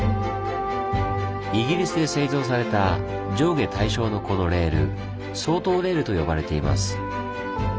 イギリスで製造された上下対称のこのレール「双頭レール」と呼ばれています。